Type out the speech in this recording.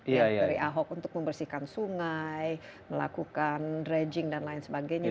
dari ahok untuk membersihkan sungai melakukan dredging dan lain sebagainya